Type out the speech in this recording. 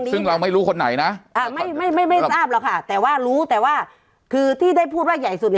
ซึ่งเราไม่รู้คนไหนนะไม่ทราบหรอกค่ะแต่ว่ารู้แต่ว่าคือที่ได้พูดว่าใหญ่สุด